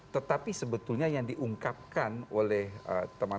tetapi sebetulnya yang diungkapkan oleh teman teman